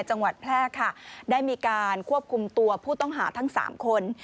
จังหวัดแพร่ค่ะได้มีการควบคุมตัวผู้ต้องหาทั้งสามคน